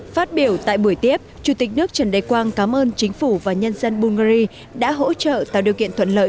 phát biểu tại buổi tiếp chủ tịch nước trần đại quang cảm ơn chính phủ và nhân dân bungary đã hỗ trợ tạo điều kiện thuận lợi